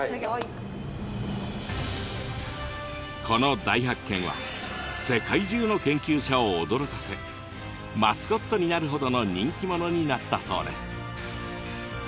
この大発見は世界中の研究者を驚かせマスコットになるほどの人気者になったそうです。